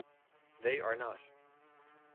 They are not.